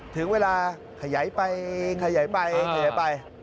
ถึงเวลาขยายไปขยายไปขยายไป